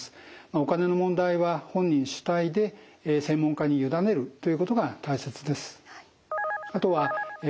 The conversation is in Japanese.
お金の問題は本人主体で専門家に委ねるということが大切です。